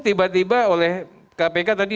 tiba tiba oleh kpk tadi